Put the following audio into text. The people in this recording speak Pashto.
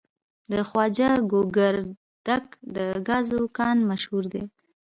د خواجه ګوګردک د ګازو کان مشهور دی.